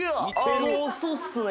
あのそうっすね」